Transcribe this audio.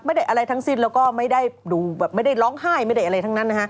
ไม่ได้อะไรทั้งสิทธิ์และก็ไม่ได้ล้องไห้อะไรทั้งนั้น